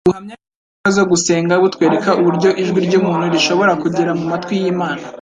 Buhamya imbaraga zo gusenga ; butwereka uburyo ijwi ry'umuntu rishobora kugera mu matwi y'Imana